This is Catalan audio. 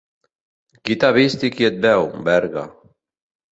Qui t’ha vist i qui et veu, Berga.